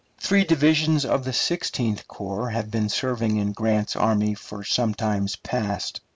Three divisions of the Sixteenth Corps have been serving in Grant's army for some time past.